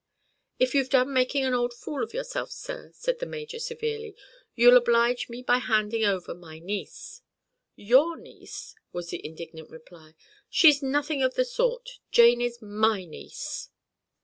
"If you've done making an old fool of yourself, sir," said the major severely, "you'll oblige me by handing over my niece." "Your niece!" was the indignant reply; "she's nothing of the sort. Jane is my niece."